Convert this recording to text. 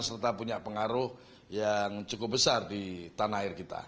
serta punya pengaruh yang cukup besar di tanah air kita